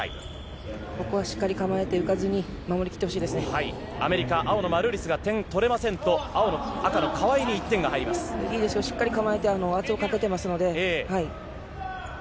ここはしっかり構えて、アメリカ、青のマルーリスが点取れませんと、いいですよ、しっかり構えて圧をかけてますので。